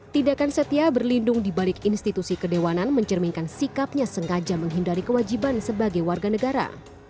tindakan setia berlindung dibalik institusi kedewanan mencerminkan sikapnya sengaja menghindari kewajiban sebagai warga negara